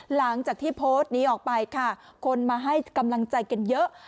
หลังจากที่โพสต์นี้ออกไปค่ะคนมาให้กำลังใจกันเยอะ